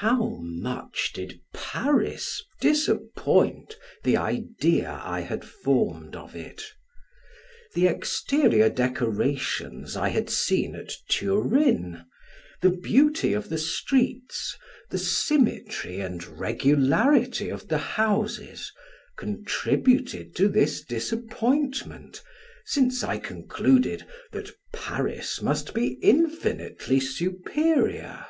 How much did Paris disappoint the idea I had formed of it! The exterior decorations I had seen at Turin, the beauty of the streets, the symmetry and regularity of the houses, contributed to this disappointment, since I concluded that Paris must be infinitely superior.